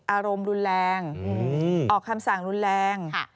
อารมณ์รุนแรงออกคำสั่งรุนแรง